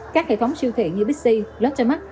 các hệ thống siêu thị như bixi lotte mart